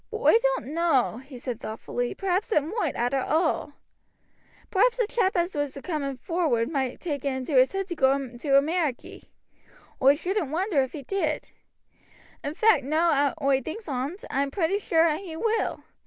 But oi doan't know," he said thoughtfully, "perhaps it moight, arter all. Perhaps the chap as was a coomin' forward moight take it into his head to go to Ameriky. Oi shouldn't wonder if he did, In fact, now oi thinks on't, oi am pretty sure as he will.